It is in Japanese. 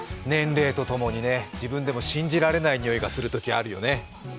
年齢とともにね、自分でも信じられないにおいがするときあるよね。